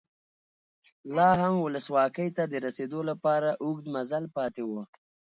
لا هم ولسواکۍ ته د رسېدو لپاره اوږد مزل پاتې و.